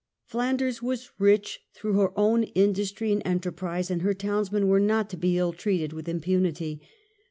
Flanders was rich through her own industry and enterprise, and her townsmen were not to be ill treated with impunity.